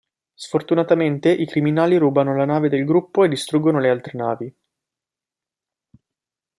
Sfortunatamente, i criminali rubano la nave del gruppo e distruggono le altre navi.